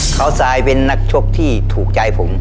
เขาทรายเป็นนักชกที่ถูกใจผม